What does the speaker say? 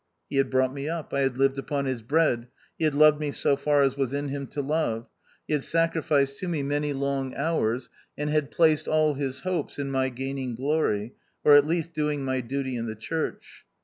He had brought me up, I had lived upon his bread, he had loved me so far as was in him to love, he had sacrificed to me many long hours, and had placed all his hopes in my gaming glory, or at least doing my duty in the church.